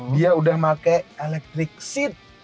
dia udah pakai electric seat